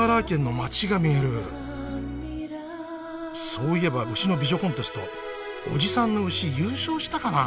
そういえば牛の美女コンテストおじさんの牛優勝したかな？